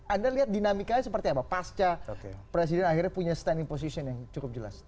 anda lihat dinamikanya seperti apa pasca presiden akhirnya punya standing position yang cukup jelas